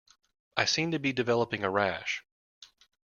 I seem to be developing a rash.